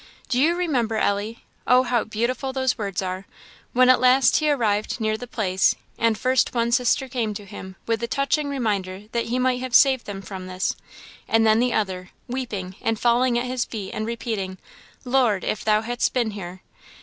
Do you remember, Ellie oh, how beautiful those words are! when at last he arrived near the place, and first one sister came to him with the touching reminder that he might have saved them from this, and then the other, weeping, and falling at his feet, and repeating 'Lord, if thou hadst been here!'